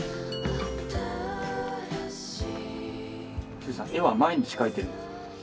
臼井さん絵は毎日描いてるんですか？